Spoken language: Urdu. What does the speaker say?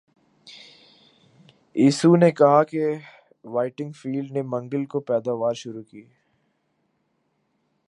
ایسو نے کہا کہ وائٹنگ فیلڈ نے منگل کو پیداوار شروع کی